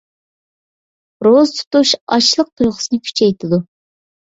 روزا تۇتۇش ئاچلىق تۇيغۇسىنى كۈچەيتىدۇ.